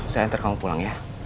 saya antar kamu pulang ya